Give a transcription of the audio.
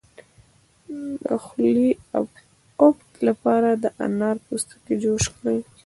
د خولې د افت لپاره د انار پوستکی جوش کړئ